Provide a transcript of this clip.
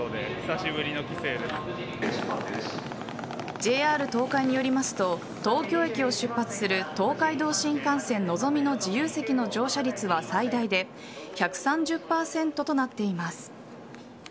ＪＲ東海によりますと東京駅を出発する東海道新幹線のぞみの自由席の乗車率は最大で１３０％となっています。